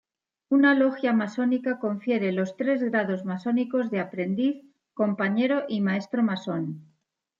Una logia masónica confiere los tres grados masónicos de Aprendiz, Compañero, y Maestro Masón.